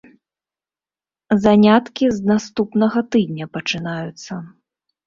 Заняткі з наступнага тыдня пачынаюцца.